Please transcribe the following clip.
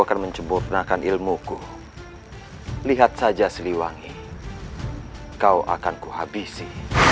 yang mencoburnakan ilmu aku lihat saja sliwangi kau akan kuhabisi